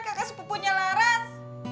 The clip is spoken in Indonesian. kakak sepupunya laras